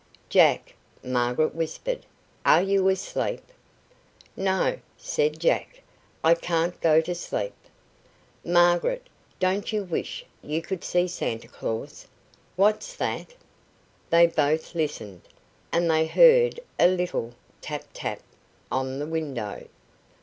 "Jack," Margaret whispered, "are you asleep?" "No," said Jack, "I can't go to sleep. Margaret, don't you wish you could see Santa Claus? What's that?" They both listened, and they heard a little tap, tap on the window.